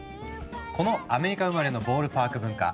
このアメリカ生まれのボールパーク文化